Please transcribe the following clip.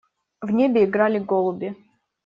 В небе играли голуби.